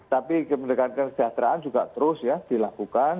tapi mendekatkan kesejahteraan juga terus ya dilakukan